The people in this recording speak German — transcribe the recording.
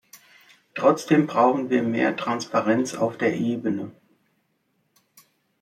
Trotzdem brauchen wir mehr Transparenz auf der Ebene.